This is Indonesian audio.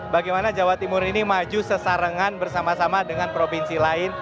bagaimana jawa timur ini maju sesarengan bersama sama dengan provinsi lain